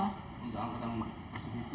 tidak akan ketemu